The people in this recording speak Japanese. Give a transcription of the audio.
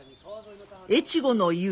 越後の雄